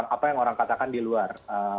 apa yang orang katakan di luar